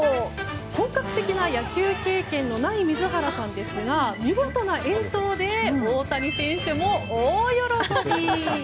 本格的な野球経験のない水原さんですが見事な遠投で大谷選手も大喜び。